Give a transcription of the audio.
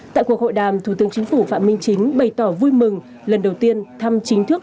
tại cuộc hội đàm thủ tướng chính phủ phạm minh chính bày tỏ vui mừng lần đầu tiên thăm chính thức